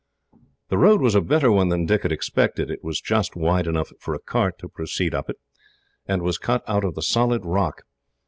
The road was a better one than Dick had expected. It was just wide enough for a cart to proceed up it, and was cut out of the solid rock.